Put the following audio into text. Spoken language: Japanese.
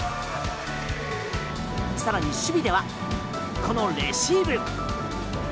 さらに守備では、このレシーブ。